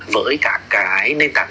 với cả cái nền tảng